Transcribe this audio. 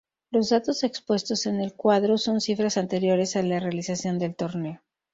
Los datos expuestos en el cuadro son cifras anteriores a la realización del torneo.